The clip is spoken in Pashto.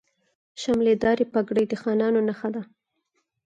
شملې دارې پګړۍ د خانانو نښه ده.